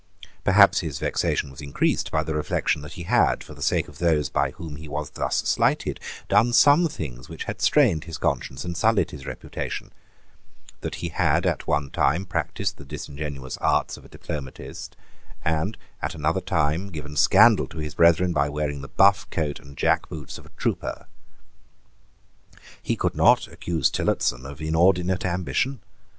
Perhaps his vexation was increased by the reflection that he had, for the sake of those by whom he was thus slighted, done some things which had strained his conscience and sullied his reputation, that he had at one time practised the disingenuous arts of a diplomatist, and at another time given scandal to his brethren by wearing the buff coat and jackboots of a trooper. He could not accuse Tillotson of inordinate ambition.